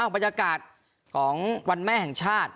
บรรยากาศของวันแม่แห่งชาติ